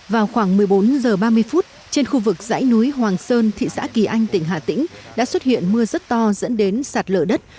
vào khoảng một mươi bốn h ba mươi phút trên khu vực dãy núi hoàng sơn thị xã kỳ anh tỉnh hà tĩnh đã xuất hiện mưa rất to dẫn đến sạt lở đất